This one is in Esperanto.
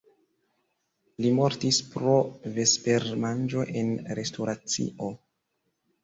Li mortis pro vespermanĝo en restoracio.